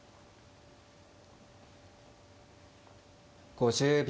５０秒。